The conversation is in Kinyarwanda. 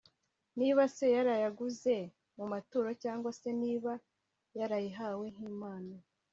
niba se yarayiguze mu maturo cyangwa se niba yarayihawe nk'impano